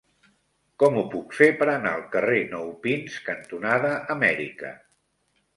Com ho puc fer per anar al carrer Nou Pins cantonada Amèrica?